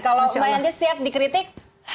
kalau mbak yanti siap dikritik